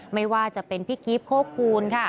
ไม่ว่าจะเป็นพี่กรีฟโฆคูล